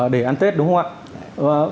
để ăn tết đúng không ạ